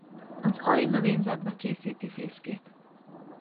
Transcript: Az aljnövényzetbe készíti fészkét.